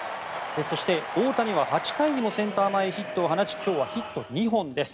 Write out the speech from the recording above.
そして、大谷は８回にもセンター前ヒットを放ち今日はヒット２本です。